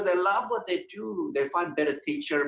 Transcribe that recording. dan karena mereka suka apa yang mereka lakukan